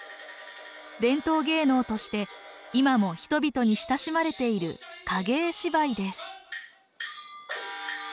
伝統芸能として今も人々に親しまれている影絵芝居です。